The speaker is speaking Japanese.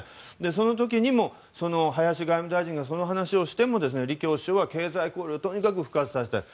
その時にも林外務大臣がその話をしても李強首相は経済交流をとにかく復活させたいと。